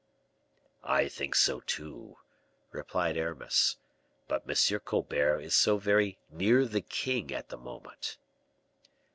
"I think so too," replied Aramis; "but M. Colbert is so very near the king at this moment."